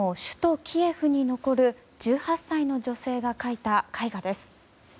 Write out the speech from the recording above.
こちらは今も首都キエフに残る１８歳の女性が描いた絵画です。